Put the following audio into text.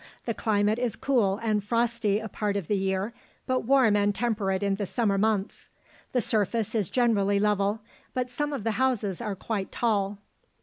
The climate is cool and frosty a part of the year, but warm and temperate in the summer months. The surface is generally level, but some of the houses are quite tall.